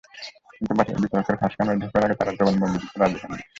কিন্তু বিচারকের খাস কামরায় ঢোকার আগে তাঁরা জবানবন্দি দিতে রাজি হননি।